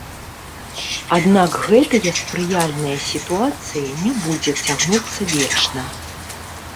Аднак гэтая спрыяльная сітуацыя не будзе цягнуцца вечна.